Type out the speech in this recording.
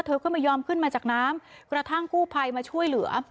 เธอก็ไม่ยอมขึ้นมาจากน้ำกระทั่งกู้ภัยมาช่วยเหลือ